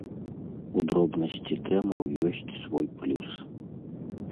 У дробнасці тэмаў ёсць свой плюс.